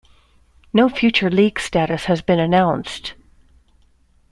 No future league status has been announced.